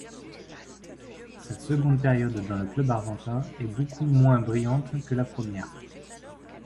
Sa seconde période dans le club argentin est beaucoup moins brillante que la première.